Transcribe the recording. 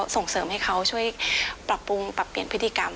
ส่งเสริมให้เขาช่วยปรับปรุงปรับเปลี่ยนพฤติกรรม